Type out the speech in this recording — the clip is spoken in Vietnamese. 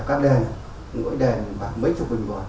các đền mỗi đền bằng mấy chục bình bọt